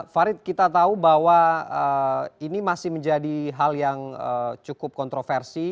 farid kita tahu bahwa ini masih menjadi hal yang cukup kontroversi